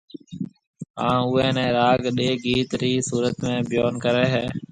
هان اوئي نيَ راگ ڏي گيت رِي صورت ۾ بيون ڪريَ هيَ